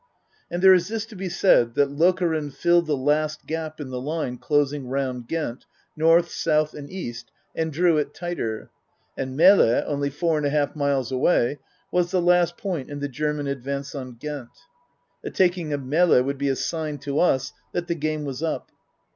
And there is this to be said, that Lokeren filled the last gap in the line closing round Ghent, north, south and east, and drew it tighter. And Melle (only four and a half miles away) was the last point in the German advance on Ghent. The taking of Melle would be a sign to us that the game was up.